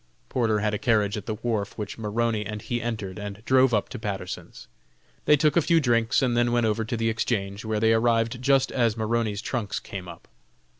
Porter had a carriage at the wharf, which Maroney and he entered, and drove up to Patterson's. They took a few drinks and then went over to the Exchange, where they arrived just as Maroney's trunks came up.